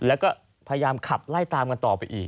แล้วก็พยายามขับไล่ตามกันต่อไปอีก